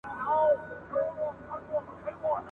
كښېنستلى كرار نه يم له چالونو ,